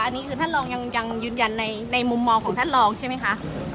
อันนี้คือท่านลองยังยืนยันในมุมมองของท่านรองใช่ไหมคะ